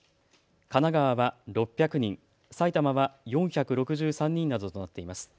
神奈川は６００人、埼玉は４６３人などとなっています。